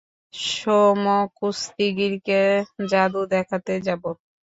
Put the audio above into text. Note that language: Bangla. সোমো কুস্তিগিরদের যাদু দেখাতে যাব।